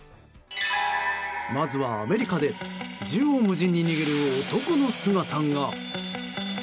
まずは、アメリカで縦横無尽に逃げる男の姿が。